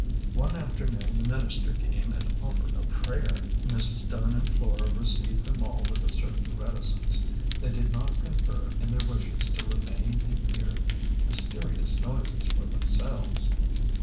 One afternoon the minister came and offered a prayer. Mrs. Dunn and Flora received them all with a certain reticence ; 24 8 A GENTLE GHOST. they did not concur in their wishes to remain and heat the mysterious noises for themselves.